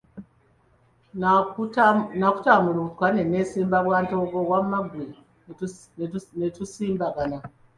Nakutaamulukuka ne neesimba bwantoogo wamma ggwe ne tugasimbagana.